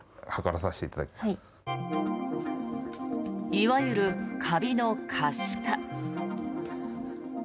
いわゆるカビの可視化。